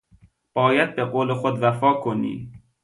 باید به قول خود وفا کنی !